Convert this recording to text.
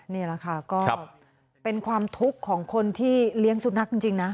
นี่แหละค่ะก็เป็นความทุกข์ของคนที่เลี้ยงสุนัขจริงนะ